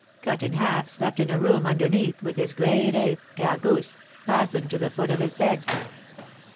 Cut in Half slept in a room underneath, with his great ape, Gargousse, fastened to the foot of his bed.